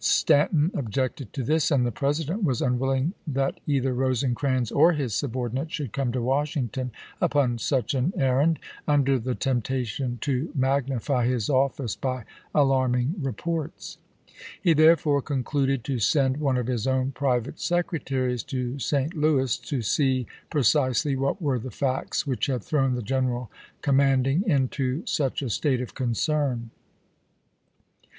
Stanton objected to this, and the President was un willing that either Rosecrans or his subordinate should come to Washington upon such an errand, under the temptation to magnify his office by alarm ing reports. He therefore concluded to send one of his own private secretaries to St. Louis to see pre cisely what were the facts which had thrown the general commanding into such a state of concern.